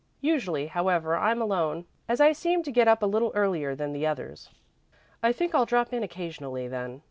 Usually, however I'm alone, as I seem to get up a little earlier than the others." "I think I'll drop in occasionally, then.